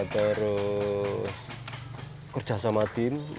terus kerja sama tim